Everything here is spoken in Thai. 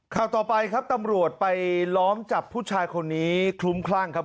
ข่าวต่อไปครับตำรวจไปล้อมจับผู้ชายคนนี้คลุ้มคลั่งครับ